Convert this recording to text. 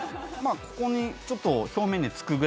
ここにちょっと。